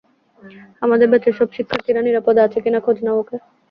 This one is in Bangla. আমাদের ব্যাচের সব শিক্ষার্থীরা নিরাপদে আছে কি না খোঁজ নাও, ওকে?